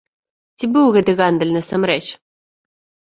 Ці быў гэты гандаль насамрэч?